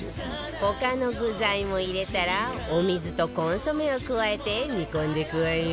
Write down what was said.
他の具材も入れたらお水とコンソメを加えて煮込んでいくわよ